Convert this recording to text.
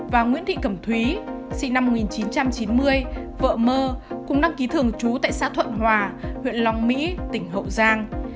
và nguyễn thị cẩm thúy sinh năm một nghìn chín trăm chín mươi vợ mơ cùng đăng ký thường trú tại xã thuận hòa huyện long mỹ tỉnh hậu giang